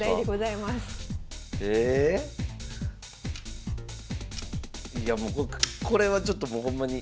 いやもうこれはちょっともうほんまに。